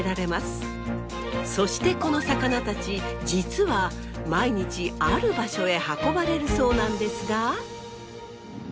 そしてこの魚たち実は毎日ある場所へ運ばれるそうなんですが。